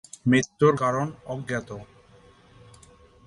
মৃত্যুর কারণ অজ্ঞাত।